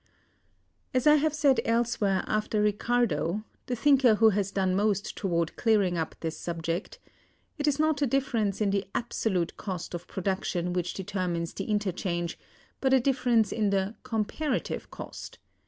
As I have said elsewhere(260) after Ricardo (the thinker who has done most toward clearing up this subject),(261) "it is not a difference in the absolute cost of production which determines the interchange, but a difference in the comparative cost.